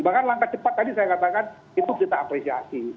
bahkan langkah cepat tadi saya katakan itu kita apresiasi